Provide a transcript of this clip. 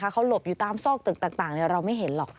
เขาหลบอยู่ตามซอกตึกต่างเราไม่เห็นหรอก